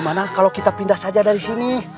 tidak gini maka kita pindah saja dari sini